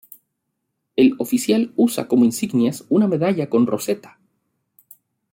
El Oficial usa como insignias una medalla con roseta.